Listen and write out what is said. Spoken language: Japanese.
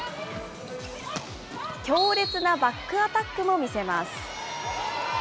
強烈なバックアタックも見せます。